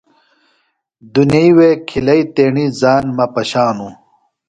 دُنیئی وے کھلیئی تیݨی ژان مہ پشانوۡ۔